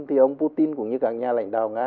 thì ông putin cũng như các nhà lãnh đạo nga